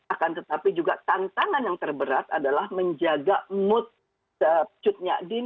akan tetapi juga tantangan yang terberat adalah menjaga mood cutnya din